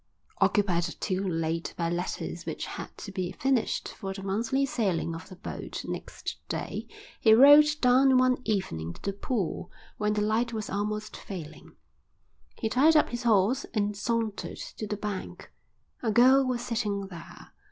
Occupied till late by letters which had to be finished for the monthly sailing of the boat next day, he rode down one evening to the pool when the light was almost failing. He tied up his horse and sauntered to the bank. A girl was sitting there.